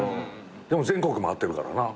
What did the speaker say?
でも全国回ってるからな。